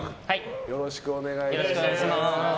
よろしくお願いします。